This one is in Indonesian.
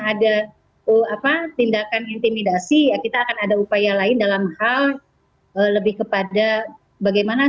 ada apa tindakan intimidasi ya kita akan ada upaya lain dalam hal lebih kepada bagaimana